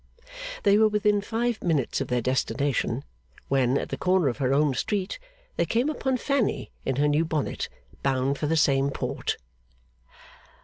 They were within five minutes of their destination, when, at the corner of her own street, they came upon Fanny in her new bonnet bound for the same port.